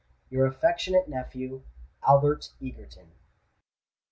"Your affectionate Nephew, ALBERT EGERTON."